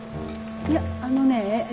いやあのねえっと